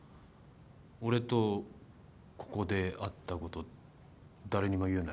俺とここで会ったこと誰にも言うなよ